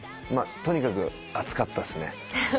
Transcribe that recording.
とにかく暑かったっすね。